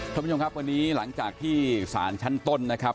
ทุกคนค่ะวันนี้หลังจากที่สารชั้นต้นนะครับ